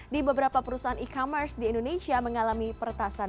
di beberapa perusahaan e commerce di indonesia mengalami peretasan